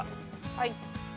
はい。